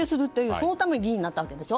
そのために議員になったわけでしょ。